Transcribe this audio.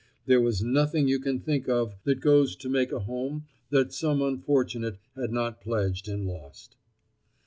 There was nothing you can think of that goes to make a home that some unfortunate had not pledged and lost.